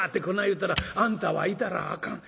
言うたら『あんたは行たらあかん。